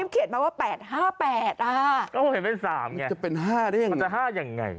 ก็จะเป็น๕ยังไง